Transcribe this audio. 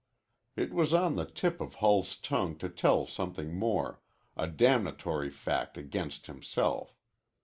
It was on the tip of Hull's tongue to tell something more, a damnatory fact against himself.